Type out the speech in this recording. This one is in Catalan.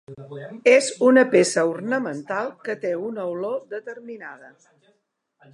És una peça ornamental que té una olor determinada.